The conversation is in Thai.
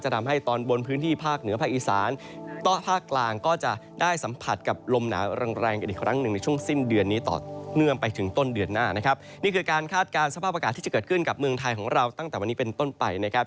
ทางไทยของเราตั้งแต่วันนี้เป็นต้นไปนะครับ